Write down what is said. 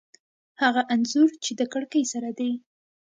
هغه انځور چې د کړکۍ سره دی